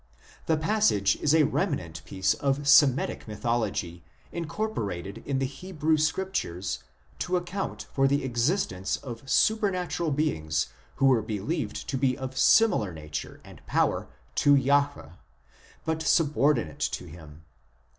2 The passage is a remnant piece of Semitic mythology incorpor ated in the Hebrew Scriptures to account for the existence of supernatural beings who were believed to be of similar nature and power to Jahwe, but subordinate to Him.